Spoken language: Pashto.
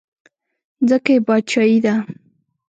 ځکه یې باچایي ده.